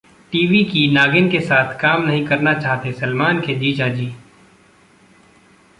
TV की 'नागिन' के साथ काम नहीं करना चाहते सलमान के जीजाजी!